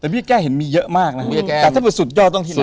เบี้ยแก้เห็นมีเยอะมากนะฮะสุดยอดต้องที่ไหน